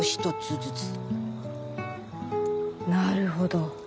なるほど。